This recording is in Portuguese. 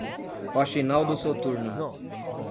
Faxinal do Soturno